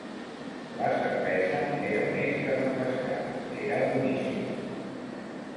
La cervesa era més que refrescant: era boníssima.